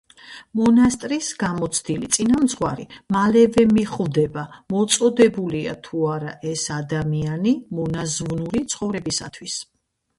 მონასტრის გამოცდილი წინამძღვარი მალევე მიხვდება, მოწოდებულია თუ არა ეს ადამიანი მონაზვნური ცხოვრებისთვის.